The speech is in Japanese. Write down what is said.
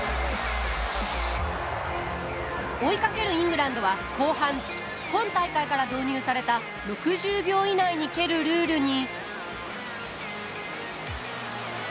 追いかけるイングランドは後半今大会から導入された６０秒以内に蹴るルールに。